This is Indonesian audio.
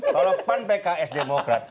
solidnya di narasi